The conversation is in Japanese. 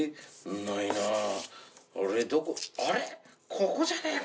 ここじゃねぇか？